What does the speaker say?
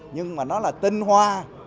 nhưng mà nó là tinh hoa